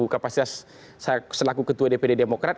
kapasitas selaku ketua dpd demokrat